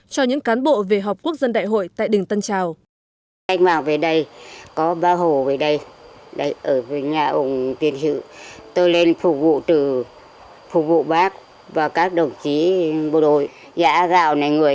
cho những cán bộ về học quốc dân đại hội tại đỉnh tân trào